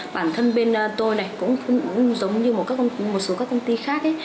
bản thân bên tôi cũng giống như một số công ty khác